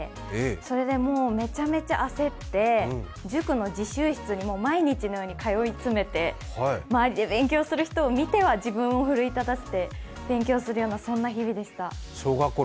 それでもうめちゃめちゃ焦って塾の自習室に毎日のように通い詰めて、周りで勉強する人を見ては自分を奮い立たせて勉強するような、そんな日々でした。